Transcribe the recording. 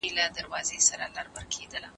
دښمن په کمزورو برید کوي.